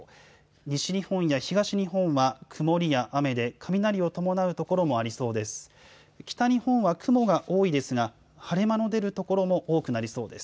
西日本や東日本は曇りや雨で雷を伴うところもありそうです。